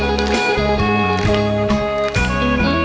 ขอบคุณค่ะ